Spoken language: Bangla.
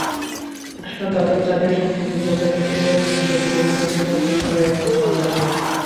আসন্ন দ্বাদশ জাতীয় সংসদ নির্বাচনকে গ্রহণযোগ্য ও অন্তর্ভুক্তিমূলক করাই এখন বড় চ্যালেঞ্জ।